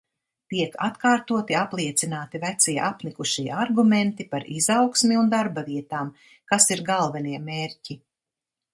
Tiek atkārtoti apliecināti vecie apnikušie argumenti par izaugsmi un darbavietām, kas ir galvenie mērķi.